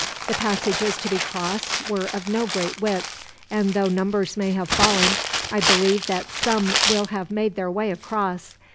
The passages to be crossed were of no great width; and though numbers may have fallen, I believe that some will have made their way across.